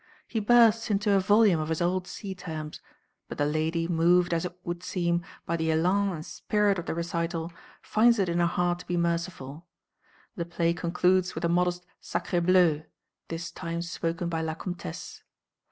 He bursts into a volume of his old sea terms, but the lady, moved, as it would seem, by the élan and spirit of the recital, finds it in her heart to be merciful. The play concludes with a modest sacrébleu, this time spoken by La Comtesse.